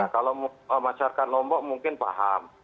kalau masyarakat lombok mungkin paham